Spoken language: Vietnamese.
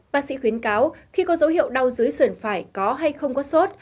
bác sĩ khuyến cáo khi có dấu hiệu đau dưới sườn phải có hay không có sốt